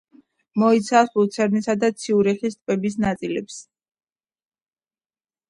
მოიცავს ლუცერნისა და ციურიხის ტბების ნაწილებს.